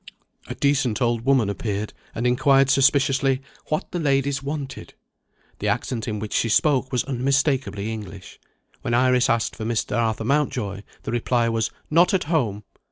A decent old woman appeared, and inquired suspiciously "what the ladies wanted." The accent in which she spoke was unmistakably English. When Iris asked for Mr. Arthur Mountjoy the reply was: "Not at home."